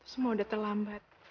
semua udah terlambat